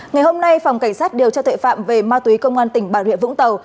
ngày hôm nay phòng cảnh sát điều tra tuệ phạm về ma túy công an tỉnh bà rịa vũng tàu